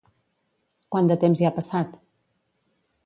Quant de temps hi ha passat?